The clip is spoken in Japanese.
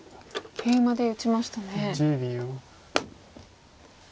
ケイマで打ちましたね。